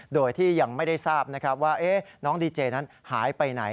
โดยที่ยังไม่ได้ทราบนะครับว่าน้องดีเจนั้นหายไปไหน